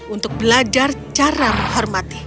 untuk belajar cara menghormati